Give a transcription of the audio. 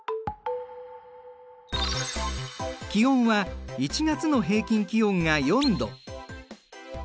気温は１月の平均気温が４度。